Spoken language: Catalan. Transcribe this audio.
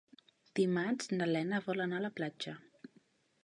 Dimarts na Lena vol anar a la platja.